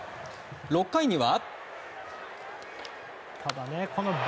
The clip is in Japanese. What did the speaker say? ６回には。